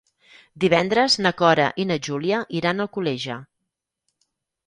Divendres na Cora i na Júlia iran a Alcoleja.